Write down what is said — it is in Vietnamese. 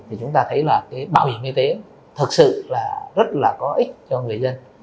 thì chúng ta thấy là cái bảo hiểm y tế thực sự là rất là có ích cho người dân